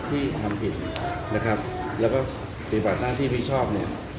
ที่ทำผิดนะครับแล้วก็ปฏิบัติหน้าที่ที่ชอบเนี่ย